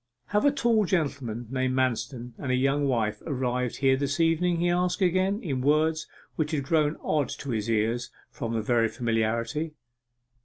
'Have a tall gentleman named Manston, and a young wife arrived here this evening?' he asked again, in words which had grown odd to his ears from very familiarity.